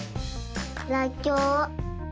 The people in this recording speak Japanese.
らっきょう。